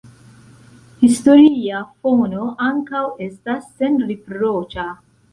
Historia fono ankaŭ estas senriproĉa.